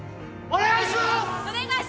お願いします！